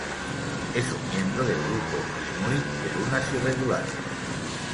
Es un miembro del grupo Inuit de lunas irregulares.